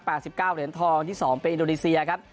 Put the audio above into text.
เก้าเหรียญทองที่สองเป็นอินโดนีเซียครับ